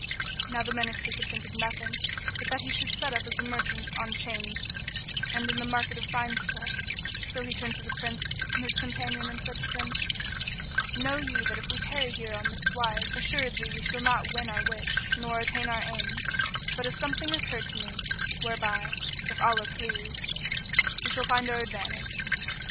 Now the Minister could think of nothing but that he should set up as a merchant on 'Change and in the market of fine stuffs; so he turned to the Prince and his companion and said to them, "Know ye that if we tarry here on this wise, assuredly we shall not win our wish nor attain our aim; but a something occurred to me whereby (if Allah please!) we shall find our advantage."